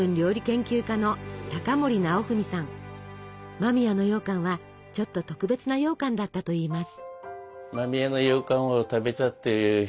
間宮のようかんはちょっと特別なようかんだったといいます。